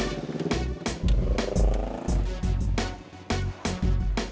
pergi permainsan loncat